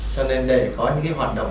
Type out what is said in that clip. cho nên để có những cái hoạt động